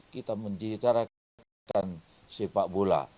kita menjelaskan sepak bola